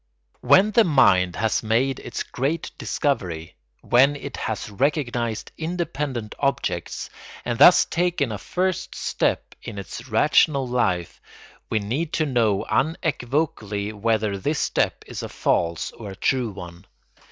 When the mind has made its great discovery; when it has recognised independent objects, and thus taken a first step in its rational life, we need to know unequivocally whether this step is a false or a true one.